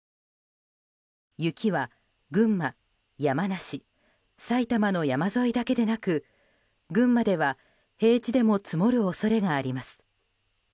雪は群馬、山梨市、埼玉の山沿いだけでなく群馬では平地でも積もる恐れがあります。